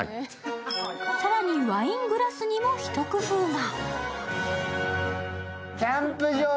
更にワイングラスにも一工夫が。